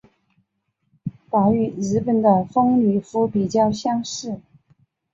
褓与日本的风吕敷比较相似。